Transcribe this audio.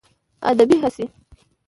ادبي هڅې